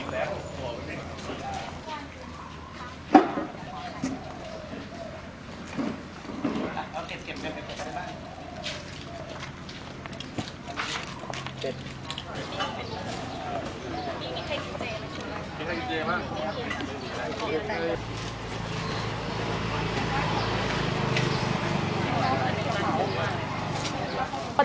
สวัสดีครับ